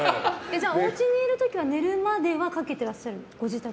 おうちにいる時は寝るまではかけてらっしゃる？